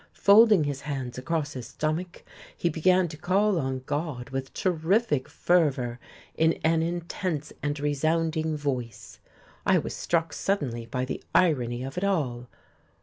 Folding his hands across his stomach he began to call on God with terrific fervour, in an intense and resounding voice. I was struck suddenly by the irony of it all.